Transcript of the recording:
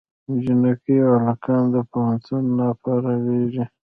جینکۍ او هلکان د پوهنتون نه فارغېږي